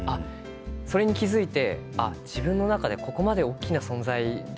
それに気付いてああ、自分の中でここまで大きな存在だ